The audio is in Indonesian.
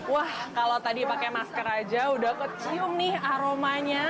wah kalau tadi pakai masker aja udah kecium nih aromanya